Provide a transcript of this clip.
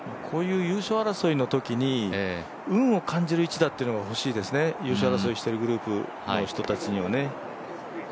こういう優勝争いのときに運を感じる１打というのが欲しいですね、優勝争いしているグループの人たちにはね。